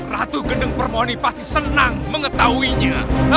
ratu gendeng permoni pasti senang mengetahuinya